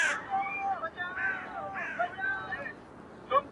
چي ژوندی یم زما به یاد يې میرهاشمه